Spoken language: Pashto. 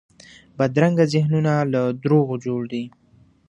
بدرنګه ذهنونه له دروغو جوړ دي